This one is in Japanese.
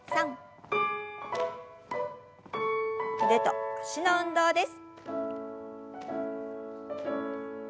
腕と脚の運動です。